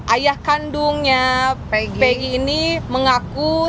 ayah kandungnya pi ini mengaku